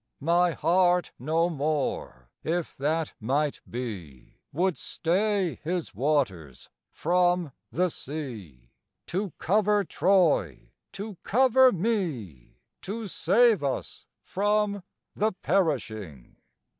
My heart no more, if that might be, Would stay his waters from the sea, To cover Troy, to cover me, To save us from the perishing.